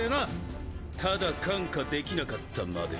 ただ看過できなかったまで。